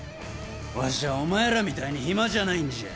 わしゃお前らみたいに暇じゃないんじゃ。